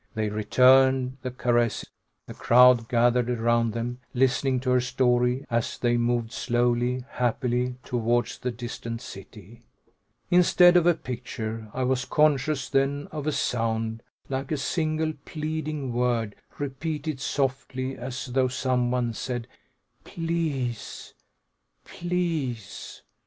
They returned the caress, the crowd gathered around them, listening to her story as they moved slowly, happily, towards the distant city. Instead of a picture, I was conscious then of a sound, like a single pleading word repeated softly, as though someone said "Please! Please!